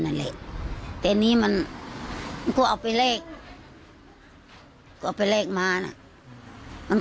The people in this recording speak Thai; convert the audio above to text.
นั่นแหละแต่นี่มันก็เอาไปแลกก็เอาไปแลกมาน่ะ